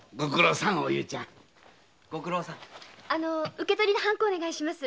受け取りのハンコお願いします。